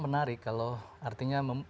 menarik kalau artinya